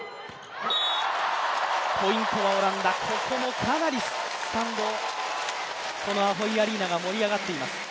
ポイントはオランダ、ここもかなりスタンド、アホイ・アリーナが盛り上がっています。